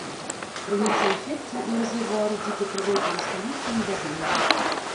Крыніца інфекцыі і рэзервуар у дзікай прыродзе застаюцца невядомымі.